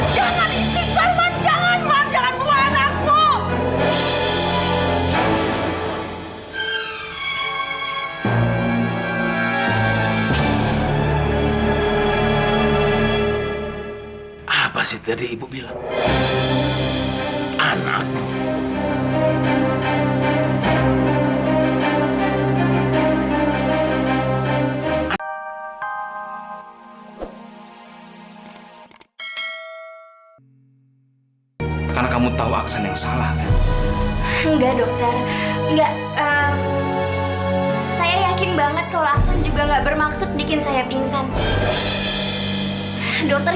jangan isidore man jangan man jangan buka anakmu